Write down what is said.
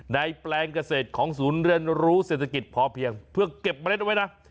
แปลงเกษตรของศูนย์เรียนรู้เศรษฐกิจพอเพียงเพื่อเก็บเมล็ดเอาไว้นะ